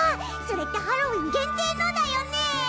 それってハロウィン限定のだよね！